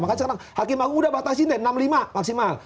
makanya sekarang hakim agung udah batasin deh enam puluh lima maksimal